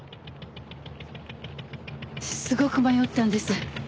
すごく迷ったんです。